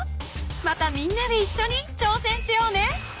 ［またみんなでいっしょにちょうせんしようね］